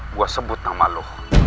gue sebut nama lu